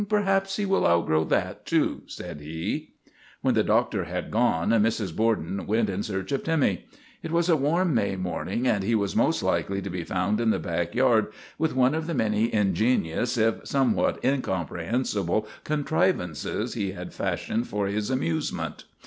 " Perhaps he will outgrow that, too," said he. When the doctor had gone, Mrs. Borden went in search of Timmy. It was a warm May morning and he was most likely to be found in the back yard with one of the many ingenious if somewhat incom prehensible contrivances he had fashioned for his amusement.